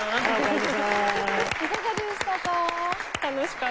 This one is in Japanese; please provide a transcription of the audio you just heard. いかがでしたか？